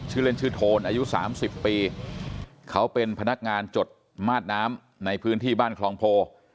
ชื่อเล่นชื่อโทนอายุสามสิบปีเขาเป็นพนักงานจดมาดน้ำในพื้นที่บ้านคลองโพ